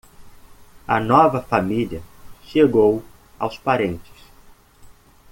A nova família chegou aos parentes.